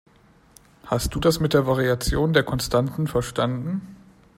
Hast du das mit der Variation der Konstanten verstanden?